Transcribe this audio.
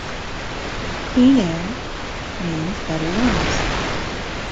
Clean air, means better lungs.